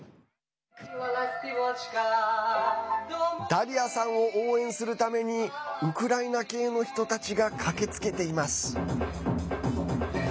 ダリアさんを応援するためにウクライナ系の人たちが駆けつけています。